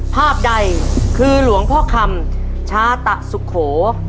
ภาพใดคือหลวงพคชาตตะสุโข